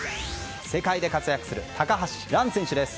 世界で活躍する高橋藍選手です。